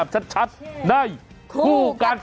จัดกระบวนพร้อมกัน